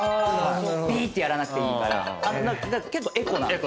びーってやらなくていいから結構エコな。